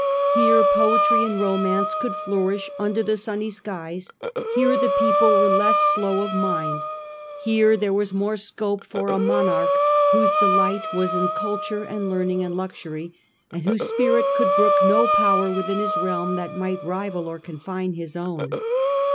Here poetry and romance could flourish under the sunny skies, here the people were less slow of mind, here there was more scope for a monarch whose delight was in culture and learning and luxury, and whose spirit could brook no power within his realm that might rival or confine his own.